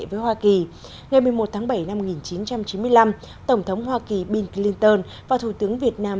với hoa kỳ ngày một mươi một tháng bảy năm một nghìn chín trăm chín mươi năm tổng thống hoa kỳ bill clinton và thủ tướng việt nam